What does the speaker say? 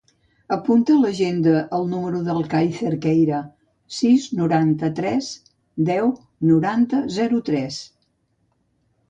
Apunta a l'agenda el número del Cai Cerqueira: sis, noranta-tres, deu, noranta, zero, tres.